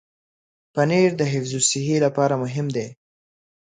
پنېر د حفظ الصحې لپاره مهم دی.